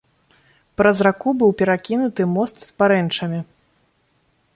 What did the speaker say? Праз раку быў перакінуты мост з парэнчамі.